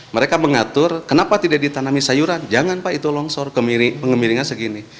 mereka mengatur kenapa tidak ditanami sayuran jangan pak itu longsor pengemiringan segini